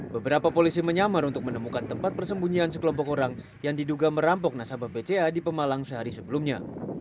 beberapa polisi menyamar untuk menemukan tempat persembunyian sekelompok orang yang diduga merampok nasabah bca di pemalang sehari sebelumnya